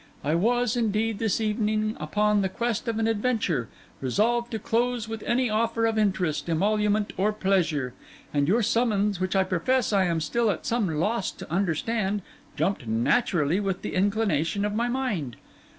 I was, indeed, this evening upon the quest of an adventure, resolved to close with any offer of interest, emolument, or pleasure; and your summons, which I profess I am still at some loss to understand, jumped naturally with the inclination of my mind.